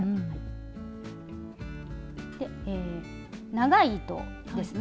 長い糸ですね。